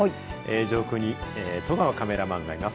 上空に十川カメラマンがいます。